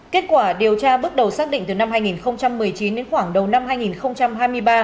kết quả điều tra bước đầu xác định từ năm hai nghìn một mươi chín đến khoảng đầu năm hai nghìn hai mươi ba